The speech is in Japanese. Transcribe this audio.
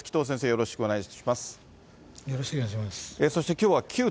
よろしくお願いします。